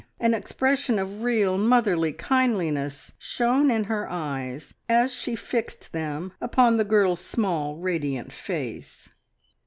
An expression of real motherly kindliness shone in her eyes as she fixed them upon the girl's small, radiant face.